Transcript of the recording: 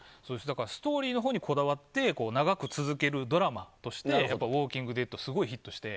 ストーリーのほうにこだわって長く続けるドラマとして「ウォーキング・デッド」はすごいヒットして。